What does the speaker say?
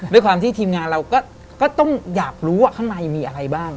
ด้วยความที่ทีมงานเราก็ต้องอยากรู้ว่าข้างในมีอะไรบ้าง